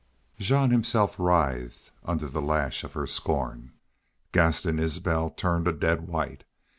Jean himself writhed under the lash of her scorn. Gaston Isbel turned a dead white.